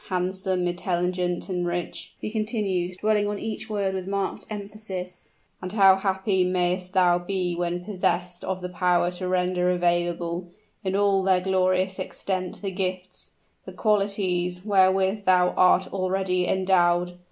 Handsome, intelligent, and rich," he continued, dwelling on each word with marked emphasis, "how happy may'st thou be when possessed of the power to render available, in all their glorious extent, the gifts the qualities wherewith thou art already endowed!